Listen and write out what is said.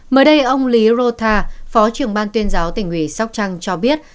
mới đây ông lý rota phó trưởng ban tuyên giáo tỉnh ủy sóc trăng cho biết